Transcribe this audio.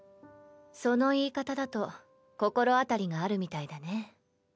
その言い方だと心当たりがあるみたいだね。